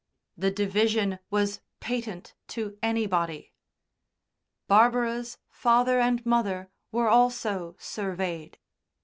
The division was patent to anybody. Barbara's father and mother were also surveyed.